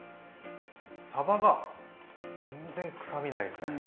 さばが全然臭みないですね。